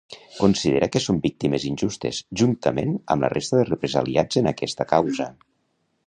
Considera que són víctimes injustes, juntament amb la resta de represaliats en aquesta causa.